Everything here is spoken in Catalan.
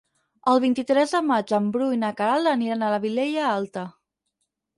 El vint-i-tres de maig en Bru i na Queralt aniran a la Vilella Alta.